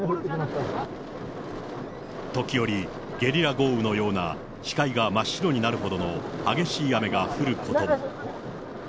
時折、ゲリラ豪雨のような視界が真っ白になるほどの激しい雨が降ることも。